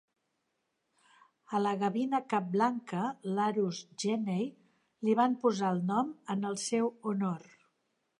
A la gavina capblanca "Larus genei" li van posar el nom en el seu honor.